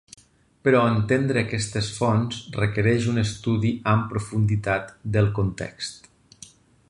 Però entendre aquestes fonts requereix un estudi amb profunditat del context.